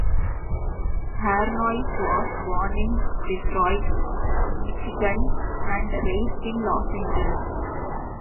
Harnois was born in Detroit, Michigan, and raised in Los Angeles.